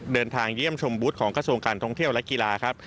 เดินทางเยี่ยมชมบุตรของกระทรวงการท่องเที่ยวและกีฬาครับ